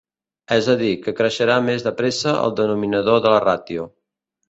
És a dir, que creixerà més de pressa el denominador de la ràtio.